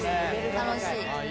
楽しい。